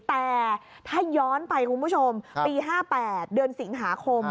แต่ถ้าย้อนไปคุณผู้ชมปี๕๘เดือนสิงหาคม